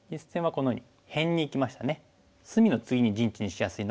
このように。